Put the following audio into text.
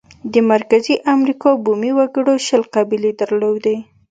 د مرکزي امریکا بومي وګړو شل قبیلې درلودې.